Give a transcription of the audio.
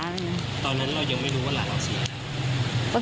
ตอนนั้นเรายังไม่รู้ว่าหลานเราเสีย